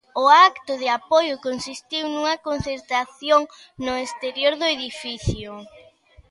O acto de apoio consistiu nunha concentración no exterior do edificio.